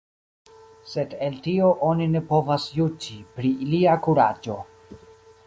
Sed el tio oni ne povas juĝi pri lia kuraĝo.